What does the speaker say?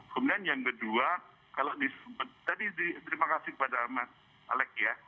kemudian yang kedua kalau disebut tadi terima kasih kepada mas alex ya